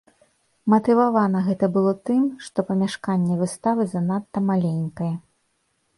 Матывавана гэта было тым, што памяшканне выставы занадта маленькае.